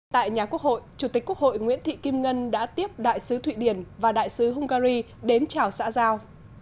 tại nhà quốc hội chủ tịch quốc hội nguyễn thị kim ngân đã tiếp đại sứ thụy điển và đại sứ hungary đến chào xã giao